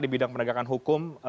di bidang penegakan hukum